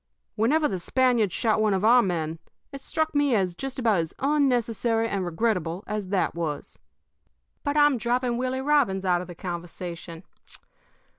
Whenever the Spaniards shot one of our men, it struck me as just about as unnecessary and regrettable as that was. "But I'm dropping Willie Robbins out of the conversation.